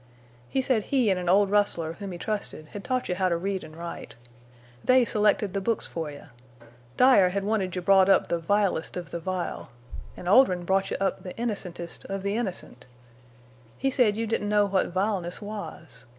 He said he an' an old rustler whom he trusted had taught you how to read an' write. They selected the books for you. Dyer had wanted you brought up the vilest of the vile! An' Oldrin' brought you up the innocentest of the innocent. He said you didn't know what vileness was.